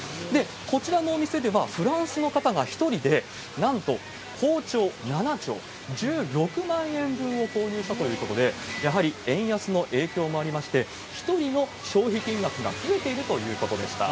こちらのお店では、フランスの方が１人でなんと包丁７丁、１６万円分を購入したということで、やはり円安の影響もありまして、１人の消費金額が増えているということでした。